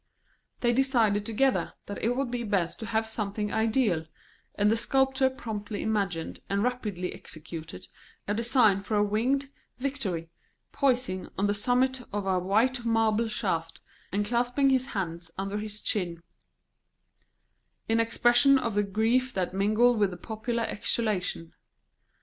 They decided together that it would be best to have something ideal, and the sculptor promptly imagined and rapidly executed a design for a winged Victory, poising on the summit of a white marble shaft, and clasping its hands under its chin, in expression of the grief that mingled with the popular exultation.